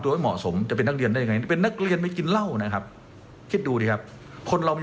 อะให้ไปฟังดูแล้วกัน